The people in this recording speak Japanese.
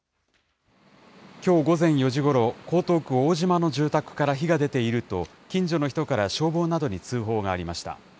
きょう午前４時ごろ、江東区大島の住宅から火が出ていると、近所の人から消防などに通報がありました。